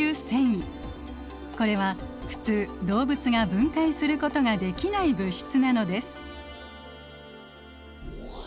これは普通動物が分解することができない物質なのです。